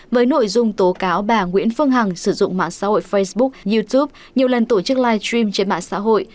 với nội dung tố cáo bà nguyễn phương hằng sử dụng mạng xã hội facebook youtube nhiều lần tổ chức live stream trên mạng xã hội